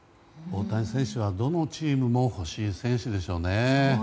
大谷選手はどのチームも欲しい選手でしょうね。